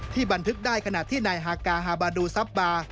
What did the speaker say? บันทึกได้ขณะที่นายฮากาฮาบาดูซับบาร์